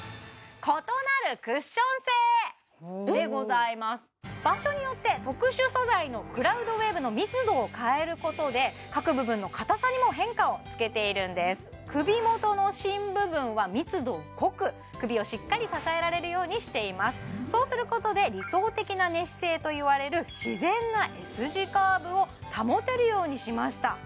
異なるクッション性でございます場所によって特殊素材のクラウドウェーブの密度を変えることで各部分の硬さにも変化をつけているんです首元の芯部分は密度を濃く首をしっかり支えられるようにしていますそうすることで理想的な寝姿勢といわれる自然なＳ字カーブを保てるようにしました